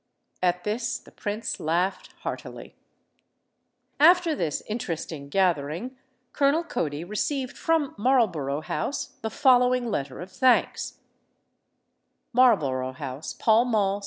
At this the prince laughed heartily. After this interesting gathering Colonel Cody received from Marlborough House the following letter of thanks: MARLBOROUGH HOUSE, PALL MALL, S.